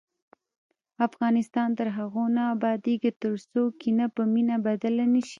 افغانستان تر هغو نه ابادیږي، ترڅو کینه په مینه بدله نشي.